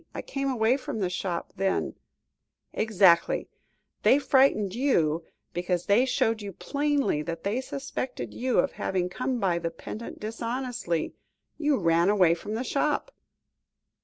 I came away from the shop, then " "Exactly; they frightened you, because they showed you plainly that they suspected you of having come by the pendant dishonestly. You ran away from the shop."